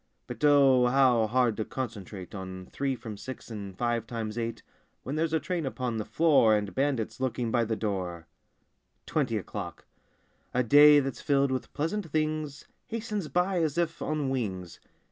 But oh, how hard to concentrate On three from six and five times eight When there's a train upon the floor, And bandits lurking by the door! 53 NINETEEN O'CLOCK 55 TWENTY O'CLOCK A DAY that's filled with pleasant things Hastens by as if on wings.